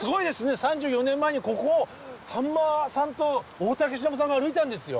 ３４年前にここをさんまさんと大竹しのぶさんが歩いたんですよ。